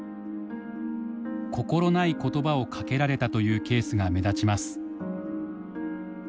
心ない言葉をかけられたというケースが目立ちます。